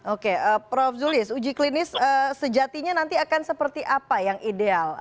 oke prof zulis uji klinis sejatinya nanti akan seperti apa yang ideal